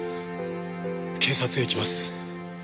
警察へ行きます。